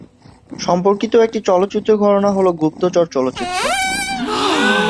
সম্পর্কিত একটি চলচ্চিত্র ঘরানা হল গুপ্তচর চলচ্চিত্র।